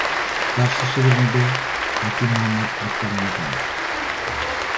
তার শিষ্যদের মধ্যে হাকিম মুহাম্মদ আখতার অন্যতম।